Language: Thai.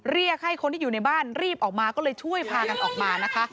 เรียกให้คนที่อยู่ในบ้านรีบออกมาก็เลยช่วยพากันออกมานะคะ